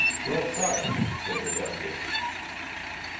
"Yourself," said the justice.